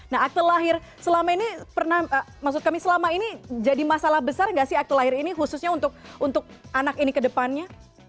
nah akte lahir selama ini pernah maksud kami selama ini jadi masalah besar nggak sih aktu lahir ini khususnya untuk anak ini ke depannya